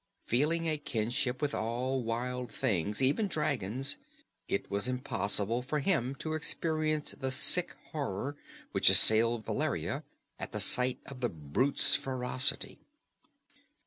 Feeling a kinship with all wild things, even dragons, it was impossible for him to experience the sick horror which assailed Valeria at the sight of the brute's ferocity.